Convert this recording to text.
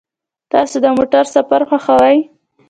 تاسو د موټر سفر خوښوئ؟